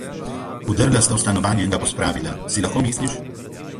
Vdrla sta v stanovanje in ga pospravila. Si lahko misliš?